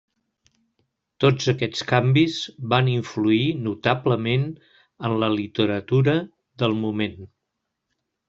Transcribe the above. Tots aquests canvis van influir notablement en la literatura del moment.